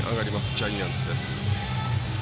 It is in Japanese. ジャイアンツです。